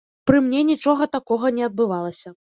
Пры мне нічога такога не адбывалася.